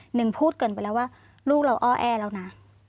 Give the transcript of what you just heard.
หนึ่งพูดเกินไปแล้วว่าลูกเราอ้อแอแล้วนะ